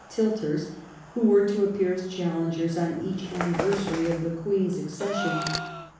155 were to appear as challengers on each anniversary of the Queen's accession.